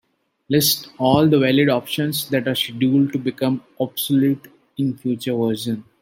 List all the valid options that are scheduled to become obsolete in a future version.